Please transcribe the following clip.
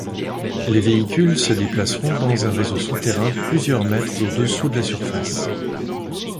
Les véhicules se déplaceront dans un réseau souterrain plusieurs mètres au-dessous de la surface.